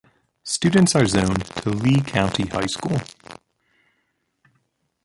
Students are zoned to Lee County High School.